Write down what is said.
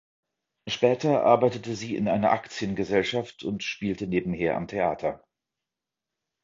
Später arbeitete sie in einer Aktiengesellschaft und spielte nebenher am Theater.